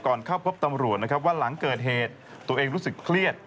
เข้าพบตำรวจนะครับว่าหลังเกิดเหตุตัวเองรู้สึกเครียด